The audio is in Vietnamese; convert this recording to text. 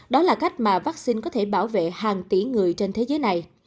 đó là cách mà vaccine có thể bảo vệ hàng tỷ người trên thế giới này